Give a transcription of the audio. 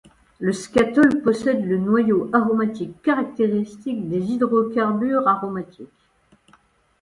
Le scatol possède le noyau aromatique caractéristique des hydrocarbures aromatiques.